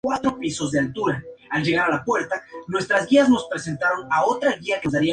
La empresa es la quinta distribuidora de aguas minerales de Rusia.